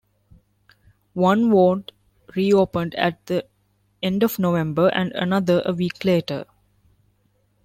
One ward reopened at the end of November and another a week later.